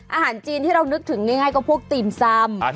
อาหารจีนที่เรานึกถึงง่ายก็พวกตีนซำ